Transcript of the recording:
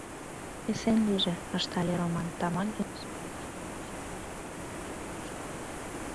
Эсен лийже! — ыштале Роман, тамак дене шемемаш тӱҥалше пӱйжым койыктен шыргыжале.